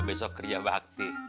besok kerja bakti